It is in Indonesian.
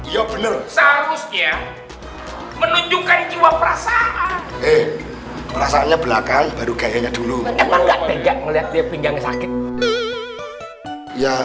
ya menunjukkan jiwa perasaan eh rasanya belakang baru kayaknya dulu lihat pinggangnya sakit ya